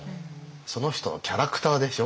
その人のキャラクターでしょ？